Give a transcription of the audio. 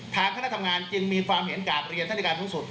ถามคณะทำงานจึงมีความเห็นกากเรียนธนิการภูมิสูจน์